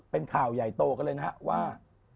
เป็นข่าวใหญ่โตกันเลยนะครับว่า